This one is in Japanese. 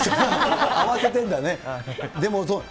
慌ててんだね。